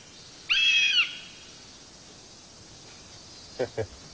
フフッ。